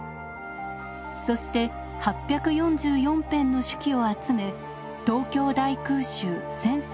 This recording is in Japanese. そして８４４編の手記を集め「東京大空襲・戦災誌」を出版。